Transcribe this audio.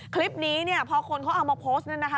คลิปนี้พอคนเขาเอามาโพสต์นะคะ